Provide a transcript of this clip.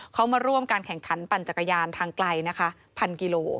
เขามาร่วมการแข่งขันปั่นจักรยานทางไกลนะคะพันกิโล